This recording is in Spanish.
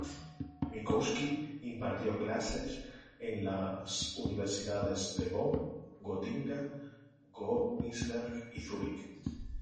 Minkowski impartió clases en las universidades de Bonn, Gotinga, Königsberg y Zúrich.